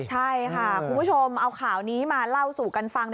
ใช่ค่ะคุณผู้ชมเอาข่าวนี้มาเล่าสู่กันฟัง